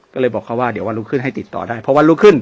ก็เลยบอกเขาว่าเดี๋ยววันรุ่งขึ้นให้ติดต่อได้เพราะวันรุ่งขึ้น